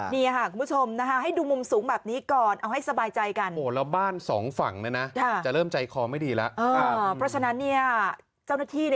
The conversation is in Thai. นี่ค่ะคุณผู้ชมให้ดูมุมสูงแบบนี้ก่อนเอาให้สบายใจกัน